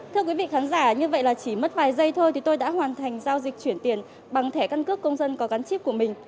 thưa quý vị khán giả như vậy là chỉ mất vài giây thôi thì tôi đã hoàn thành giao dịch chuyển tiền bằng thẻ căn cước công dân có gắn chip của mình